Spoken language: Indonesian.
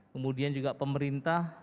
kemudian juga pemerintah